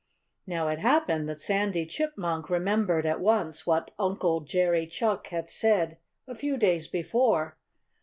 Now, it happened that Sandy Chipmunk remembered at once what Uncle Jerry Chuck had said a few days before.